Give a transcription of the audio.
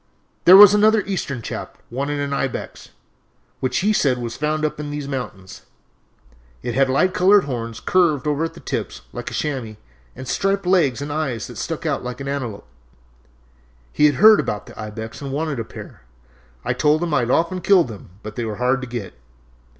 "There was another Eastern chap wanted an ibex, which he said was found up in these mountains. It had light colored horns curved over at the tips like a chamois and striped legs and eyes that stuck out like an antelope. He had heard about the ibex and wanted a pair. I told him I had often killed them, but they were hard to get."